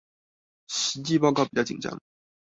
實體報告比較緊張